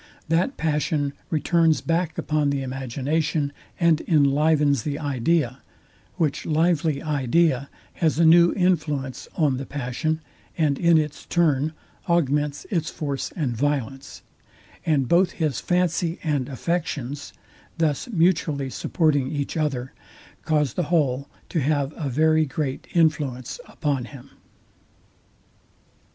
That passion returns back upon the imagination and inlivens the idea; which lively idea has a new influence on the passion, and in its turn augments its force and violence; and both his fancy and affections, thus mutually supporting each other, cause the whole to have a very great influence upon him.